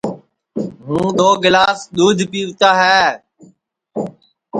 ہُوں دؔو گِلاس دؔودھ پِیوتا ہے